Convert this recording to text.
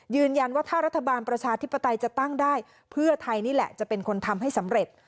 ยืนยันว่าถ้ารัฐบาลประชาธิปไตยจะตั้งได้เพื่อไทยนี่แหละจะเป็นคนทำให้สำเร็จ